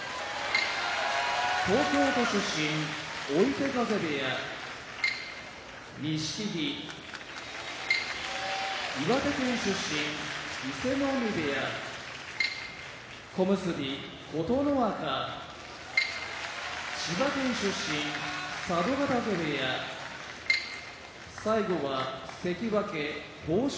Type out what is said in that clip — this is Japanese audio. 東京都出身追手風部屋錦木岩手県出身伊勢ノ海部屋小結・琴ノ若千葉県出身佐渡ヶ嶽部屋関脇豊昇